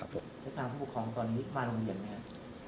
แล้วทางผู้ประคองตอนนี้มาโรงเรียนไหมครับ